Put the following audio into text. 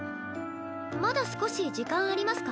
まだ少し時間ありますか？